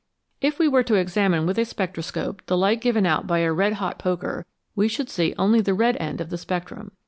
If we were to examine with a spectroscope the light given out by a red hot poker we should see only the red end of the spectrum.